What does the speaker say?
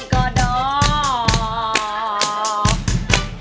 ก็ดอก